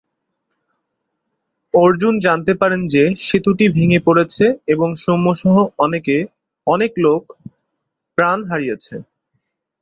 অর্জুন জানতে পারেন যে সেতুটি ভেঙে পড়েছে এবং সৌম্য সহ অনেক লোক প্রাণ হারিয়েছে।